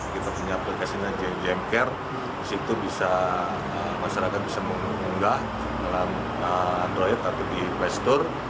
kita punya aplikasi yang jemker di situ masyarakat bisa mengunggah dalam android atau di playstore